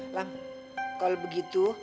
lam kalau begitu